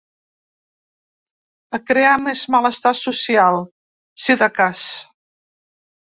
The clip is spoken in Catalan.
A crear més malestar social, si de cas.